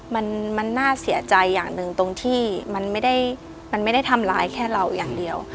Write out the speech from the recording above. มันน่าเสียใจอย่างหนึ่งตรงที่มันไม่ได้มันไม่ได้ทำร้ายแค่เราอย่างเดียว